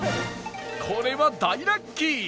これは大ラッキー！